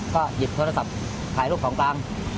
ก็หยิบโทรศัพท์ถ่ายรูปของกลาง